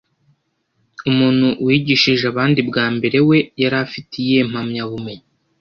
Umuntu wigishije abandi bwambere we yarafite iyihe mpamyabumenyi